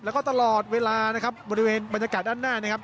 แล้วก็ตลอดเวลานะครับบริเวณบรรยากาศด้านหน้านะครับ